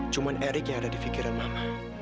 cuma erik yang ada di pikiran mama